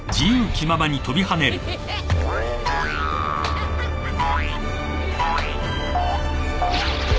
ハハハハ！